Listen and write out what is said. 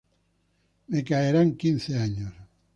Me caerán quince años.